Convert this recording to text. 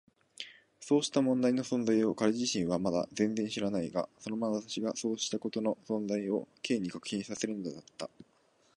そうした問題の存在を彼自身はまだ全然知らないが、そのまなざしがそうしたことの存在を Ｋ に確信させるのだった。